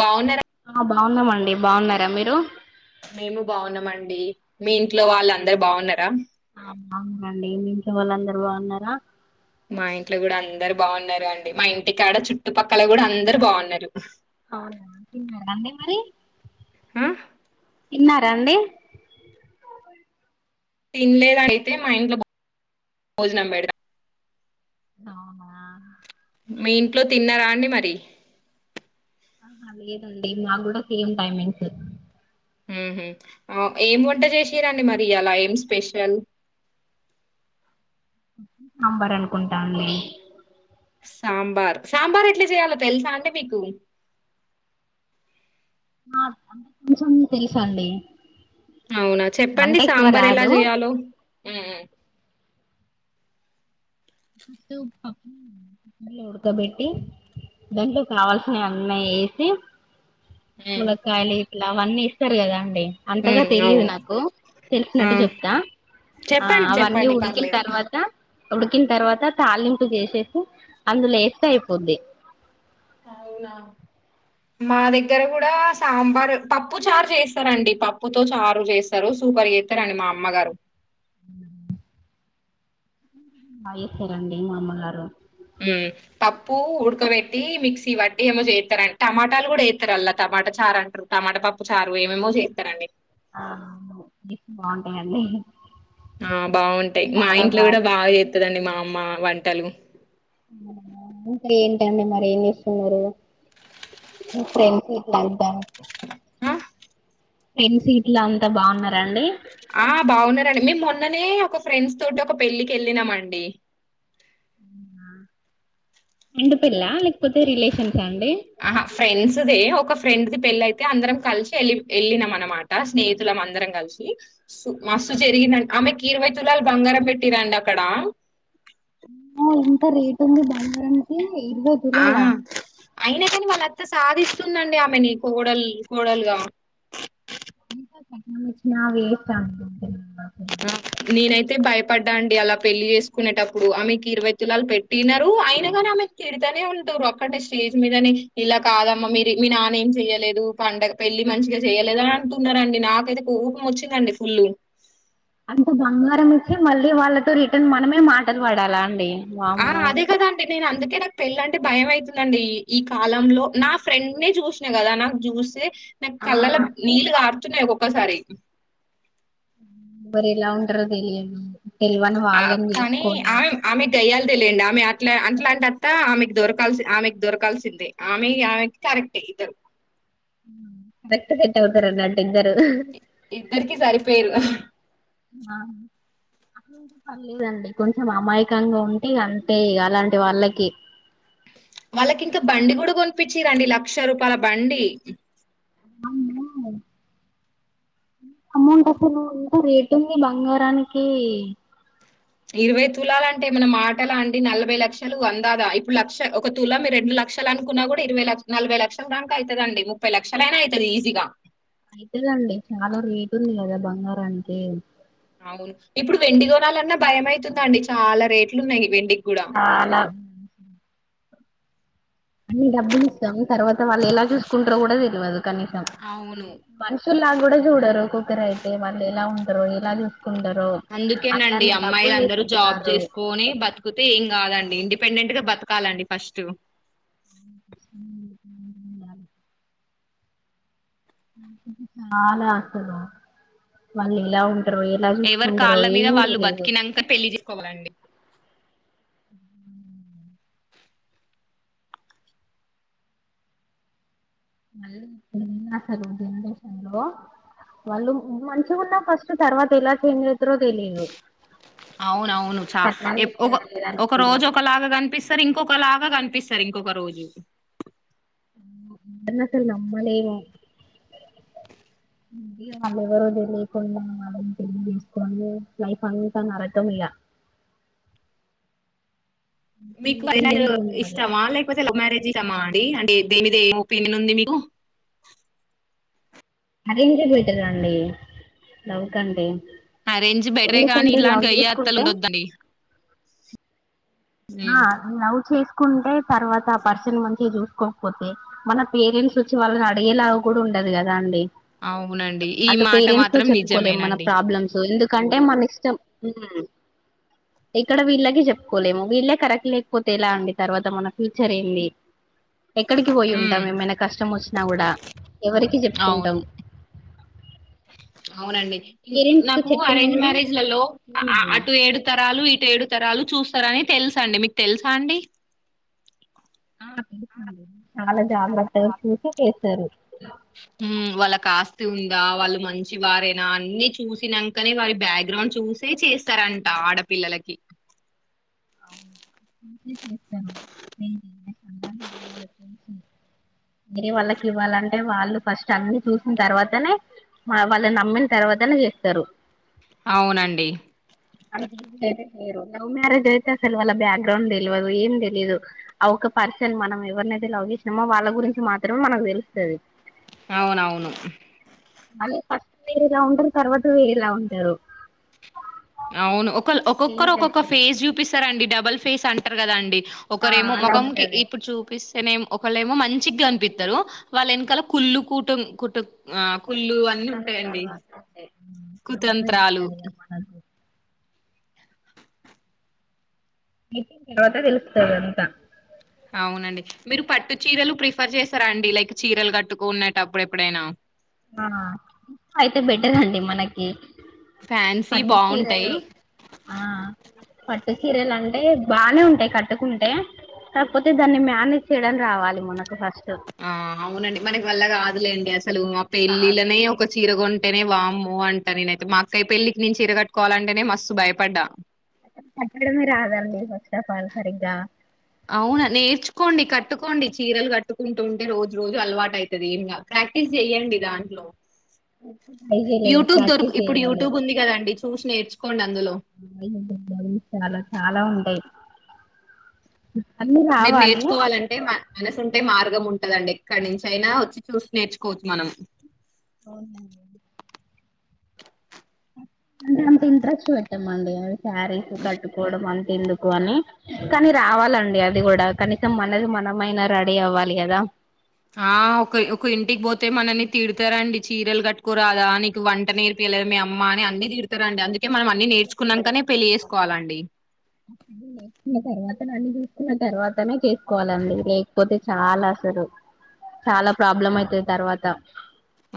బాగున్నారా బాగున్నం అండి బాగున్నారా మీరు? మేము బాగున్నామ అండి మీ ఇంట్లో వాళ్ళ అందరు బాగున్నారా? ఆ బాగున్నారండి మీ ఇంట్లోవాళ్ళు అందరు బావు న్నారా? మా ఇంట్లో కూడా అందరు బా ఉంన్నారు అండి మా ఇంటికాడ చుట్టుపక్కల కూడా అందరు బావున్నారు. అవును తిన్నారా అండి మరి హ తిన్నారా అండి తినలేదా [unintelligible] అయితే మా ఇంట్లో భోజనం పెడ అవునా మీ ఇంట్లో తిన్నారా అండి మరి ఆహా లేదండి మా కూడా సేమ్ టైమింగ్స్ మ్మ్ హ్మ్మ్ ఏం వంట చేసి రండి మరి ఇయాల ఏం స్పెషల్ సాంబార్ అనుకుంటా అండి సాంబార్ సాంబార్ ఎట్లా చేయాలో తెలుసా అండి మీకు? అ కొంచెం తెలుసు అండి అవునా చెప్పండి సాంబార్ ఎలా చెయాలో ఫస్ట్ పప్పు ఉడక బెట్టి దాంట్లో కావాల్సినవి అన్నయి వేసి ఉమ్ ములకాయలు ఇట్లా అవన్నీ వేస్తారు కదా అండి ఉమ్ అంతగా ఉమ్, తెలిదు అవును నాకు ఆ తెలిసినట్టు చెప్తా ఆ చెప్పండి అవన్నీ చెప్పండి ఉడికిన పర్లేదు తర్వాత ఉడికిన తర్వాత తలింపు చేసేసి అందులేస్తే అయిపోద్ది అవునా మా దగ్గర కూడా సాంబార్ పప్పు చారు చేస్తారండి పప్పుతో చారు చేసారు సో సూపర్ చేస్తారండి మా అమ్మగారు బాగా చేస్తారండీ మా అమ్మ గారు ఉమ్ పప్పు ఉడకబెట్టి మిక్సీ బట్టి ఏమో చేస్తారు అంట టమాటాలు కూడా వేస్తారు అలా టమాటా చారు అంటారు టమాటా పప్పు చారు ఏమేమో చేస్తారండి ఆ బాగుంటాయండి ఆ బాగుంటాయి మా చాలా ఇంట్లో కూడా బాగా చేస్తారు చేస్తదండి మా అమ్మ వంటలు ఆ కర్రీ ఏంటండి మరీ ఏం చేస్తున్నారు ఫ్రెండ్స్ సట్లుంత ఆ ఫ్రెండ్ సీట్లు అంతా బాగున్నరా అండి ఆ బాగున్నారండి మేము మొన్ననే ఒక ఫ్రెండ్స్ తోటి ఒక పెళ్ళికి వెళ్ళినమ అండి ఉమ్ మీ ఇంట్లో పెళ్ళా లే ఆహా ఫ్రెండ్స్ దే ఒక ఫ్రెండ్ ది పెళ్ళి అయితే అందరం కలిసి వెళ్ళి వెళ్ళినం అన్నమాట స్నేహితులం అందరం కలిసి మస్తు జరిగిందండి ఆమె కీ ఇరవై తులాలు బంగారం పెట్టిరండి అక్కడ అమ్మో ఎంత రేట్ ఉంది బాంగారానికి ఆ అయినా కానీ వాళ్ళ అత్త సాధిస్తుందండి ఆమెని కోడలు కోడలుగా నా వేస్ట్ ప్యామిలి నేనైతే భయపడ్డా అండి అలా పెళ్లి చేసుకునేటప్పుడు ఆమెకి ఇరవై తులాలు పెట్టినారు అయిన గాని ఆమె తిడతనే ఉంట ఒక్కటి స్టేజ్ మీదని ఇలా కాదమ్మా మీరు మీ నాన్న ఏం చెయ్యలేదు లు పండగ పెళ్ళి మంచిగా చేయలేదా అంటున్నారండి నాకైతే కోపం వచ్చిందండి ఫుల్ అంతా బంగారం ఇచ్చి మళ్ళీ వాళ్ళతో రిటర్న్ మనమే మాటలు పడాలా అండి ఆ వామ్మో అదే కదండి నేను అందుకే నాకు పెళ్ళి అంటే భయం అవుతుందండి ఈ కాలంలో నా ఫ్రెండ్ నే చూసిన కదా నాకు చూస్తే నాకు ఆ కళ్ళలో నీళ్లు కారు తున్నాయి ఒక్కొక్కసారి మరి ఎలా వుంటరో తెలియదు తెల్వని ఆ వాళ్ళని కానీ చేసుకొని ఆమె ఆమె గయ్యాలి దేలేండి ఆమె అట్లా అట్లాంటి అత్త ఆమె దొరకాల్సి ఆమెకి దొరకాల్సిందే ఆమె ఆమెకి కరెక్టే ఇద్దరు బెస్ట్ సెట్టు అవుతారు అండి వాళ్ళ ఇద్దరు ఇద్దరికి సరిపోయరు ఆ అయితే పర్లేదండి కొంచెం అమాయకంగా ఉంటే అంతే ఇగా అలాంటి వాళ్ళకి వాళ్ళకి ఇంకా బండి కూడా కొనిపించిరండి లక్ష రూపాయల బండి అమ్మో అమౌంట్ అసలు నువ్వు ఇంత రేట్ ఉంది బంగారానికి ఇరవై తులాల అంటే మన మాటలా అండి నలభై లక్షలు అందాదా ఇప్పుడు లక్ష ఒక తుల మీరు రెండు ల లక్షలు అనుకున్నా కూడా ఇరవై లక్ష నలభై లక్షల దాక అవుతుద అండి ముప్పై లక్ష అయినా అవుతుది ఈజీగా అయితుదండి చాలా రేట్ ఉంది కదా బంగారానికి అవును ఇప్పుడు వెండి కోనాలన్నా భయం అవుతుంది అండి చాలా రేట్లు ఉన్నాయి వెండి చాలా అన్ని డబ్బులు ఇస్తాము తర్వాత వాళ్ళు ఎలా చూసుకుంటారో కూడా తెల్వదు. కనీసం అవును మనుషుల్లా కూడా చూడరు ఒకక్కరు అయితే వాళ్ళు ఎలా ఉంటరు ఎలా చూస్త అందుకేనండి అమ్మాయిలు అందరూ జాబ్ తీసుకుంటారు చేసుకొని బతుకుతే ఏం కాదండి ఇంటి పెండెంట్ గా బతకాలండి ఫస్టు [inaudible] చాలా ఆసలు మళ్ళీలావ్ తరో ఎలా ఎవరి చూసుకుంటారో కాళ్ళ మీద ఏం వాళ్ళు తెలిదు. బతికినాక పెళ్లి చేసుకోవాలండి అన్ అసలు ఏం చేసినారో వాళ్ళు మంచిగా ఉన్న ఫస్ట్ తర్వాత ఎలా చేంజ్ అయితరో తెలియదు. అవునవును చ కట్నాలు ఇప్ ఒక ఇస్తారా లేదా ఒక అనుకుంటారు రోజు ఒకలాగా కనిపిస్తారు ఇంకొక్ ఒక లాగ కనిపిస్తారు ఇంకొక రోజు. నన్నస్సలు నమ్మలేను. ఇ వాళ్ళ ఎవరో తెలియకుండా వాళ్ళని తెలియజేసుకోండి లైఫ్ అంతా నరకం ఇలా మీకు పరిణయు ఇండిపెండెంట్ గా ఉండాలి ఇష్టమా లేకపోతే లవ్ మ్యారేజి ష్టమా అండి అంటే ఏ దేని మీద ఏ ఒపీనియన్ ఉంది మీకు అరెంజ్ బెటర్ అండి లవ్ కంటే ఆ రేంజ్ బెటరే కాగానీ ఎందుకంటే ఇలాంటి లవ్ గయ్య అత్తలు చేసుకుంటే ఉండద్దండి. ఆ లవ్ చెస్ కుంటే తర్వాత ఆ పర్సన్ మంచిగా చూసుకోకపోతే మన పేరెంట్స్ వచ్చి వాళ్ళని అడిగేలాగా కూడా ఉండ డదు కదా అండి అవునండి ఈ అటు మాట పేరెంట్స్ తో మాత్రం చెప్పుకోలేము మన నిజమేనండి ప్రాబ్లమ్స్ ఎందు కంటే మన ఇష్టం ఇక్కడ వీళ్ళకి చెప్పుకోలేము. వీళ్ళే కరెక్ట్ లేకపోతే ఎలా అండి తర్వాత మన ఫ్యూచర్ ఏంది? ఎక్కడికి పోయి ఉమ్ ఉంటాం ఏమైనా కష్టం వచ్చినా కూడా ఎవరికి చెప్పుకుంటాం. అవును అవునండి పేరెంట్స్ కి నాకు చెప్పినా అరేంజ్ కూడా మ్యారేజ్లలో అ ఆ "ఉమ్, అటు ఏడుత రాలు ఇటు ఏడు తరాలు చూస్తారని తెలుస అండి మీకు తెలుసా అండి. ఆ తెలుసండి చాలా జాగ్రత్తగా చూసి చేస్తారు. ఊ వాలక్ కాస్త ఉందా వాళ్ళు మంచి వారేనా అన్ని చూసినాంకనే వారి బ్యాక్గ్రౌండ్ చూసే చేస్తారా. కంట ఆడపిల్లలకి అవును నేను చేస్తాను [unintelligible] వేరే వాళ్ళకి ఇవ్వాలంటే వాళ్ళు ఫస్ట్ అన్ని చూసిన తర్వాతనే మనం వాళ్ళని నమ్మిన తర్వాతనే చేస్తారు. అవునండి లేరు లవ్ మ్యారేజ్ అయితే అసలు వాళ్ళ బ్యాక్గ్రౌండ్ తెల్వదు. ఏం తెలీదు ఆ ఒక పర్సన్ మనం ఎవరి చేసే లవ్ ఇష్టమో వాళ్ళ గురించి మాత్రమే మనకు తెలుస్తది. అవునవును అళ్లు ఫస్ట్ వేరేలా ఉంటారు తర్వాత వేరేలా ఉంటారు. అవును ఒకలు ఒక్కొక్కరు చేంజ్ ఒక్కొక్క అయితారు ఫేస్ చూపిస్తారండి. డబల్ ఫేస్ అంటారు కదా అండి. ఆ ఒకరేమో అలా మొఖమ్కి ఉంటది ఇప్పుడు చూపిస్ తేనేమో ఒకళ్ళ ఏమో మంచిగా అనిపిస్తారు వాళ్ళ వెనకాల కుళ్ళు కూటమ్ కూట ఆ కుళ్ళు అన్ని ఉంటాయండి కుతంత్రాలు [unintelligible] ఇ తరవాత తెలుస్తద అంత అవునండి మీరు పట్టు చీరలు ప్రిఫర్ చేస్తారా అండి లైక్ చీరలు కట్టుకునేటప్పుడు ఎప్పుడైనా ఆ అయితే బెటర్ అండి మనకి ఫ్యాన్సీ బాగుంటాయి పట్టుచీరలు ఆ పట్టుచీరలు అం టే బానే ఉంటాయి కట్టుకుంటే కాకపోతే దాన్ని మేనేజ్ చేయడం రావాలి మనకు ఫస్ట్. ఆ అవునండి మనకి వల్ల కాదులేండి అసలు ఆ కాదు పెళ్ళిళ్ళనే ఒక చీర కొం అంటేనే వామ్మో అంట నేనైతే మాకుై పెళ్ళికి నిను చిరగట్టుకోవాలంటేనే మస్తు భయపడ్డా కట్టడమే రాదండి ఫాస్టఫాల్ సరిగ్గా అవునా నేర్చుకోండి కట్టుకోండి చీరలు కట్టుకుంటుంటే రోజు రోజు అలవాటు అవుతది ఏం కాద్ ప్రాక్టీస్ చెయ్యడి దాంట్లో ట్రై చేయలేదు యూట్యూబ్ దొరకు ప్రాక్టీస్ ఇప్పుడు చేయాలి యూట్యూబ్ ఉంది కదండి చూసి నేర్చుకొండి [unintelligible] చాలా చాలా ఉంటాయ్ మీరు రావాలి నేర్చుకోవాలంటే మ మనసు ఉంటే మార్ ం ఉంటదండి ఎక్కడ నుంచి అయినా వచ్చి చూసి నేర్చుకోవచ్చు మనం అవును మ అ అంత ఇంట్రెస్ట్ పెట్టామండి అవి శారీస్ కట్టుకోవడం అంత ఎందుకు అని కానీ రావాలం డి అది కూడా కనీసం మనది మనమైనా రెడీ అవ్వాలి కదా ఆ ఒక ఒకరి ఇంటికి పోతే మనల్ని తిడతారండి చీరలు కట్టుకోరాదా నీకు వంట నేర్పియలేద మీ అమ్మ అని అన్నిీ తీిడుతర్ రండి అందుకే మనం అన్ని నేర్చుకున్నాకనే పెళ్లి చేేసుకోవాలండి హు ఇంగ తర్వాత అన్ని చుస్ కున్న తర్వాతనే చేసుకోవాలండి లేకపోతే చాలా అసలు చాలా ప్రాబ్లం అయితది తర్వాత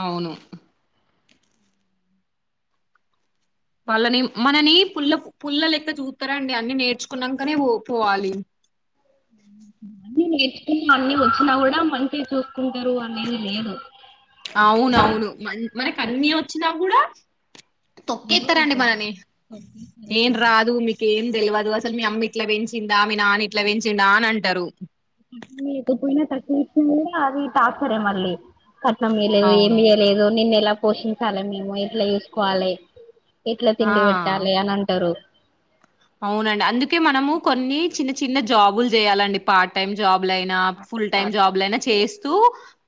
అవును వాళ్ళని మనని పుల్ల పుల్ల లెక్క చూతారాండి అన్ని నేర్చుకున్నాకనే పో పోవాలి అన్ని నేర్చుకున్నా అన్ని వచ్చినా కూడా మంచిగ చూ అవునవును మ మనకన్ని వచ్చినా కూడ ఏదో తొక్కేత్తరండి ఒకటి మనని తొక్కేస్తారు ఏం అసలు రాదు మీకేం తెలువద్ అసలు మీ అమ్మ ఇట్లా పెంచిందా మీ నాన్న ఇట్లా పెంచిందా అని అంటారు లేకపోయినా తక్చ్చ అది టాచ్చరే మళ్ళీ కట్నం మీయలేదు ఏమి అవును చేయలేదు నిన్ను ఎలా పోషించాలి మేము ఎట్లా చూసుకోవాలే ఎట్లా ఆ తిండి పెట్టాలే అని అంటారు అవునండి అందుకే మనము కొన్ని చిన్న చిన్న జాబులు చేయాలండి పార్ట్ టైమ్ జాబ్ బ్లాయ్నా ఫుల్ టైమ్ జాబ్ లైనా చేస్తూ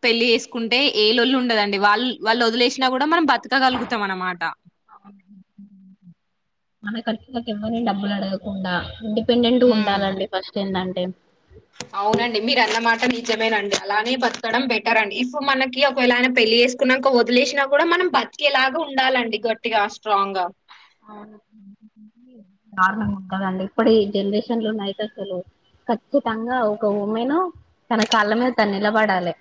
పెళ్లి చేసుకుంటే ఏ లొల్లి ఉండదండి వాళ్ వాళ్ళు వలేసినా కూడా మనం బత్ తుక గలుగుతాం అన్నమాట మన ఖర్చలకు ఎవ్వరని డబ్బులు అడగకుండా ఇండిపెండెంట్గా ఉమ్ ఉండాలండి ఫస్ట్ ఏంటంటే అవునండి మీరు అన్నమాట నిజమే అండి అలానే పతడం బెటర్ అండి ఇఫ్ మనకి ఒకవలానా పెళ్లి వేసుకున్నాక వదిలేసినా కూడా మనం బత్ తికేలాగా ఉండాలండి గట్టిగా స్ట్రాంగ్ గా దారుణంగా ఉంటదండి ఇప్పుడు ఈ జనరేషన్ లో నైతే అసలు ఖచ్చితంగా ఒక ఉమెను తన కాళ్ళ మీద తను నిలబడాలే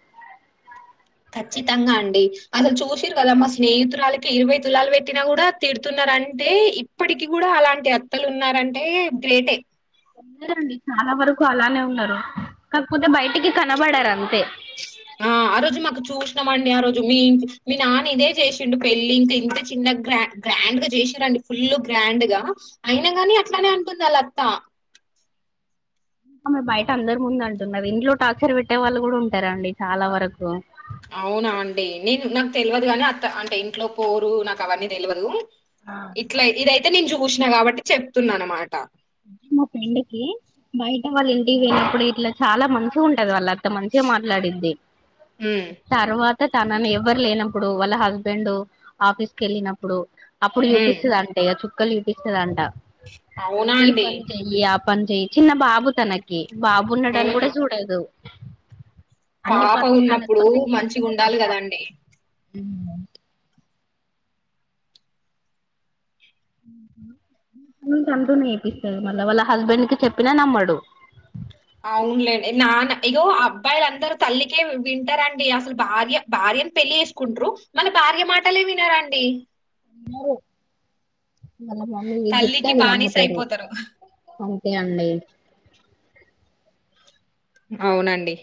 ఖచ్చితంగా అండి అసలు చూసిర్రు కదా మా స్నేహితురాలికి ఇరవై తులాలు పెట్టినా కూడా తిడుతున్నా రంటే ఇప్పటికి కూడా అలాంటి అత్తలు ఉన్నారంటే గ్రేటే ఉన్నారండి చాలా వరకు అలానే ఉన్నారు కాకపోతే బయటికి కనబడారు అంతే ఆ ఆ రోజు మాకు చూస్ ండి ఆ రోజు మీ మీ నాన్న ఇదే చేసిండు పెళ్ళలి ఇంకా ఇంత చిన్న గ్ర గ్రాండ్ గా చేసిరండి ఫుల్ గ్రాండ్ గా అయిన గాని అట్లానే అంటుంది ఆలత్తా ఆమె బయట అందరు ముందు అంతుంది అవి ఇంట్లో టార్చర్ పెట్టే వాళ్ళు కూడా ఉంటారండి చాలా వరకు అవునా అండి నేన్ నాకు తెలువదు కానీ అత్త అంటే ఇంట్లో పోరు నాకు అవన్నీ తెలువదు ఆ ఇట్లా ఇదైతే నేను చూసినా కాబట్టి చెప్తున్నా అన్నమాట మా పెండ్కి బయట వాళ్ళ ఇంటికి పోయినప్పుడు ఇట్లా చాలా మంచి ఉంటది వాళ్ళ అత్త మంచ్ మాట్లాడిద్ధి హ్మ్ తర్వాత్ త తనని ఎవ్వరు లేనప్పుడు వాళ్ళ హస్బెండ్ ఆఫీస్ కేళ్ళినప్పుడు అప్పుడు హ్మ్ చూపిస్తదంటే, చుక్కలు చూపిస్తదంట. అవునా ఈ అండి పని చెయ్యి. ఆ పని చెయ్యి. చిన్న బాబు తనకి, బాబు ఉన్నడని కూడ అవునా చూడదు. అన్ని పాప పనులు ఉన్నప్పుడు తనతోనే మంచిగ ఉండాలి కదండి! మ్మ్ ఏంటేంటో నేర్పిస్తది మల్ల వాళ్ళ హస్బెండ్ కి చెప్పినా నమ్మడు. అవునులేండి నాన్న ఇగో అబ్బాయిలందరూ తల్లికే వి వింటారండి. అసలు భార్య భార్య ఏం పెళ్ళి చేసుకుంట్రు మల్ల భార్య మాటలే వినరండి. వినరు వాళ్ల మమ్మీ ఏం చెప్తే తల్లికి అది బానిస నమ్ముతరు అయిపోతారు అంతే అండి. అవునండి